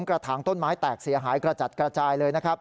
กระถางต้นไม้แตกเสียหายกระจัดกระจายเลยนะครับ